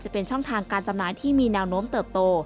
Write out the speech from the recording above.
จะเป็นช่องทางการจำหน่ายที่มีแนวโน้มเติบโต